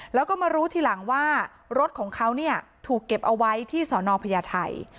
แล้วก็มารู้ทีหลังว่ารถของเขาเนี่ยถูกเก็บเอาไว้ที่สอนอพญาไทย